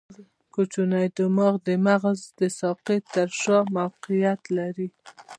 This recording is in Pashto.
کوچنی دماغ د مغز د ساقې تر شا موقعیت لري.